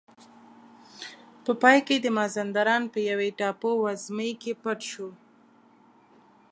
په پای کې د مازندران په یوې ټاپو وزمې کې پټ شو.